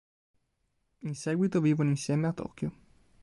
In seguito vivono insieme a Tokyo.